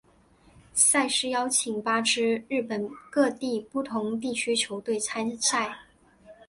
赛事邀请八支日本各地不同地区球队参赛。